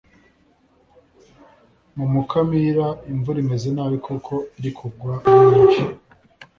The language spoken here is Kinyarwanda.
ku Mukamira imvura imeze nabi kuko iri kugwa ari nyinshi